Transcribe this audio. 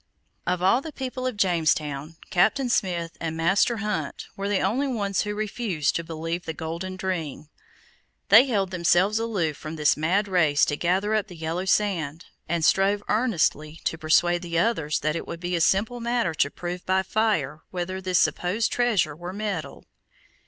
Of all the people of Jamestown, Captain Smith and Master Hunt were the only ones who refused to believe the golden dream. They held themselves aloof from this mad race to gather up the yellow sand, and strove earnestly to persuade the others that it would be a simple matter to prove by fire whether this supposed treasure were metal.